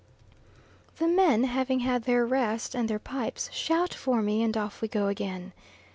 The men, having had their rest and their pipes, shout for me, and off we go again.